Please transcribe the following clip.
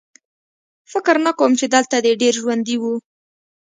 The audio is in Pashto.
فکر نه کوم چې دلته دې ډېر ژوندي وو